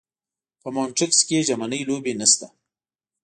په مونټریکس کې ژمنۍ لوبې نشته.